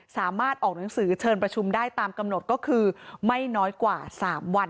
สามารถออกหนังสือเชิญประชุมได้ตามกำหนดก็คือไม่น้อยกว่า๓วัน